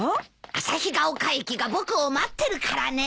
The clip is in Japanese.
あさひが丘駅が僕を待ってるからね。